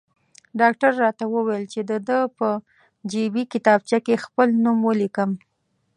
ډاکټر راته وویل چې د ده په جیبي کتابچه کې خپل نوم ولیکم.